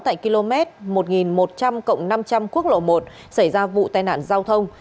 tại km một nghìn một trăm linh năm trăm linh quốc lộ một xảy ra vụ tai nạn giao thông